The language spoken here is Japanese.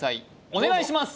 お願いします